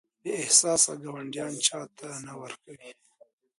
بې احساسه ګاونډیان چاته نه ورکوي.